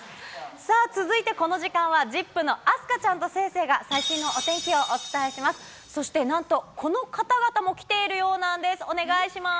さあ、続いてこの時間はＺＩＰ！の明日香ちゃんと星星が最新のお天気をお伝えします。